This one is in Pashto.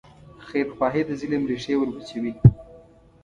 خیرخواهي د ظلم ریښې وروچوي.